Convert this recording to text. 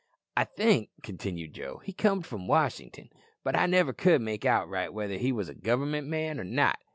"I think," continued Joe, "he comed from Washington, but I never could make out right whether he wos a Government man or not.